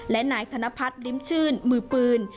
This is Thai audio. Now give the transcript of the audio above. และนายธนพัฒน์ลิ้มชื่นมือปืน